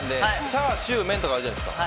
チャーシューメンとかあるじゃないですか。